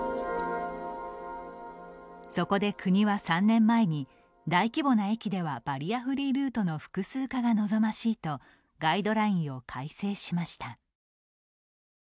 そこで国は、３年前に大規模な駅ではバリアフリールートの複数化が望ましいとガイドラインを改正しました。